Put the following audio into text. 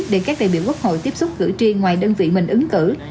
để các đại biểu quốc hội tiếp xúc cử tri ngoài đơn vị mình ứng cử